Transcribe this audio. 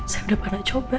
saya sudah pernah coba